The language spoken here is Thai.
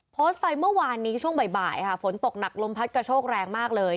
โพสต์ไปเมื่อวานนี้ช่วงบ่ายค่ะฝนตกหนักลมพัดกระโชกแรงมากเลย